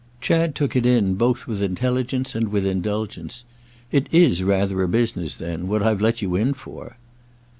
Chad took it in both with intelligence and with indulgence. "It is rather a business then—what I've let you in for!"